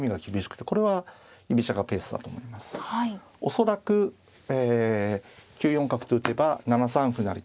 恐らく９四角と打てば７三歩成と。